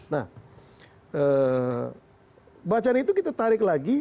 nah bacaan itu kita tarik lagi